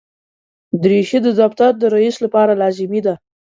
دریشي د دفتر د رئیس لپاره لازمي ده.